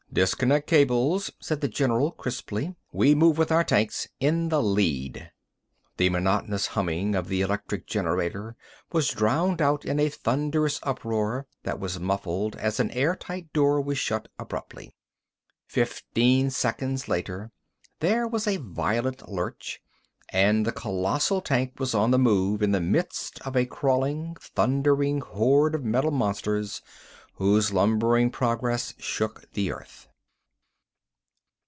"Disconnect cables," said the general, crisply. "We move with our tanks, in the lead!" The monotonous humming of the electric generator was drowned out in a thunderous uproar that was muffled as an air tight door was shut abruptly. Fifteen seconds later there was a violent lurch, and the colossal tank was on the move in the midst of a crawling, thundering horde of metal monsters whose lumbering progress shook the earth.